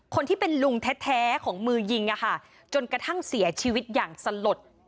คนที่เป็นลุงแท้ของมือยิงจนกระทั่งเสียชีวิตอย่างสลด